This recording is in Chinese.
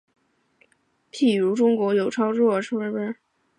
譬如中国有炒作普洱茶养生功效导致普洱价格飙升的事件。